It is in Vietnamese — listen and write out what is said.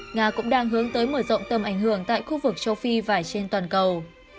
nga cũng đang hướng tới mở rộng tầm ảnh hưởng tại khu vực châu phi và trên toàn cầu